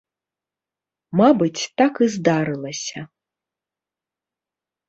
Мабыць, так і здарылася.